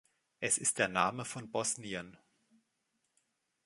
Es ist der Name von Bosnien.